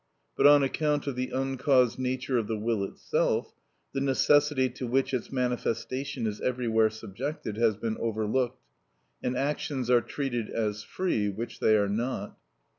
But on account of the uncaused nature of the will itself, the necessity to which its manifestation is everywhere subjected has been overlooked, and actions are treated as free, which they are not.